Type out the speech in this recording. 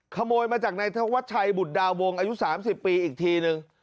ขโมยมาจากนายธวัชชัยบุตรดาวงอายุ๓๐ปีอีกทีนึง